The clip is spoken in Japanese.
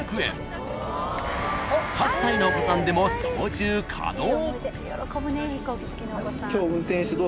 ［８歳のお子さんでも操縦可能］